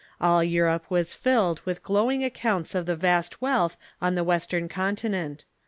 All Europe was filled with gloAving accounts of the vast wealth on the Avestern con tinent.